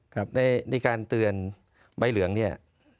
ครับในการเตือนใบเหลืองเนี่ย